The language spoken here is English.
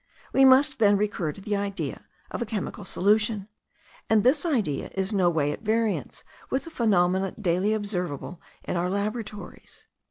We must then recur to the idea of a chemical solution; and this idea is no way at variance with the phenomena daily observable in our laboratories.